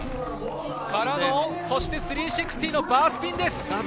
そして３６０バースピンです。